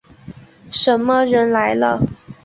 什么人来了？